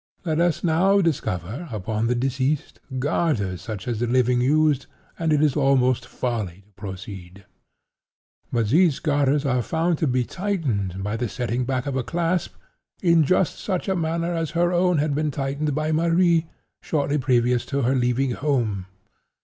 Let us now discover, upon the deceased, garters such as the living used, and it is almost folly to proceed. But these garters are found to be tightened, by the setting back of a clasp, in just such a manner as her own had been tightened by Marie, shortly previous to her leaving home.